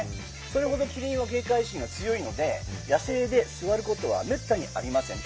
それほどキリンは警戒心が強いので野生で座ることはめったにありません。